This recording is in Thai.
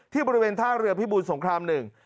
บริเวณท่าเรือพิบูรสงครามหนึ่ง